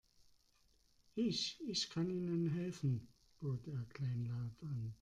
Ich, ich kann Ihnen helfen, bot er kleinlaut an.